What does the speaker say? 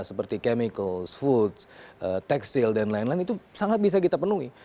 seperti chemical foods tekstil dan lain lain itu sangat bisa kita penuhi